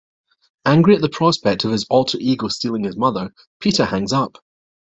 Angry at the prospect of his alter ego stealing his mother, Peter hangs up.